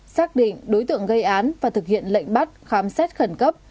xác định đối tượng gây án và thực hiện lệnh bắt khám xét khẩn cấp